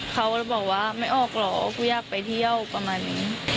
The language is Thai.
เขาเลยบอกว่าไม่ออกหรอกกูอยากไปเที่ยวประมาณนี้